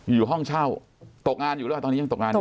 อยู่ห้องเช่าตกงานอยู่หรือเปล่าตอนนี้ยังตกงานอยู่